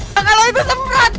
kalau itu semprot